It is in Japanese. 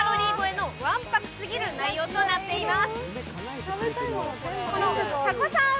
キロカロリー超えのわんぱくすぎる内容となっています。